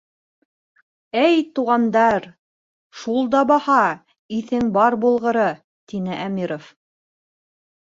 — Эй туғандар, шул да баһа, иҫең бар булғыры, — тине Әмиров.